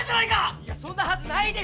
いやそんなはずないです！